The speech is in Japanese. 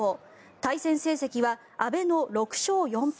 対戦成績は阿部の６勝４敗。